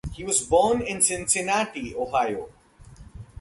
He was born in Cincinnati, Ohio.